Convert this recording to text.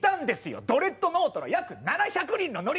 ドレッドノートの約７００人の乗組員が！